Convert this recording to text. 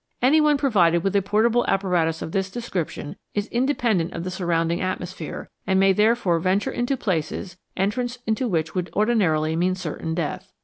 Any one provided with a portable apparatus of this description is independent of the surrounding atmos phere, and may therefore venture into places, entrance into which would ordinarily mean certain death.